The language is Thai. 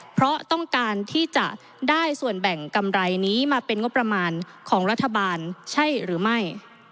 เพราะต้องการที่จะได้ส่วนแบ่งกำไรนี้มาเป็นงบประมาณของรัฐบาลใช่หรือไม่